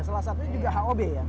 salah satunya juga hob ya